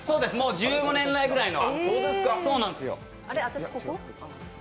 １５年来ぐらいの。